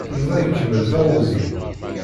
Yuba ikemmel taɣuzi.